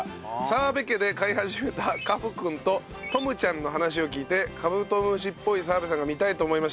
澤部家で飼い始めたカブくんとトムちゃんの話を聞いてカブトムシっぽい澤部さんが見たいと思いました。